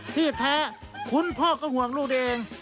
ที่แท้คุณพ่อก็ห่วงลูกเอง